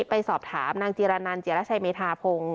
ไปสอบถามนางจิรนันเจรชัยเมธาพงศ์